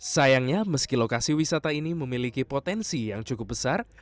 sayangnya meski lokasi wisata ini memiliki potensi yang cukup besar